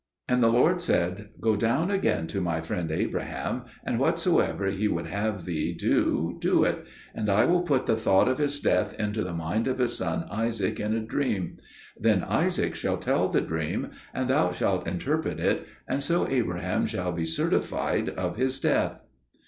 And the Lord said, "Go down again to my friend Abraham, and whatsoever he would have thee do, do it; and I will put the thought of his death into the mind of his son Isaac in a dream. Then Isaac shall tell the dream, and thou shalt interpret it, and so Abraham shall be certified of his death."